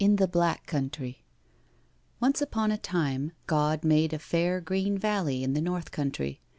THE BLACK COUNTRY m Once upon a time God made a fair green valley in the North Country.